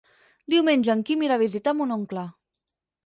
Diumenge en Quim irà a visitar mon oncle.